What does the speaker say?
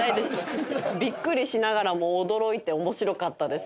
びっくりしながらも驚いて面白かったです。